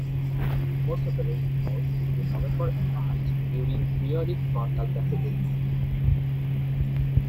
Most of the rain falls between November and March during periodic frontal passages.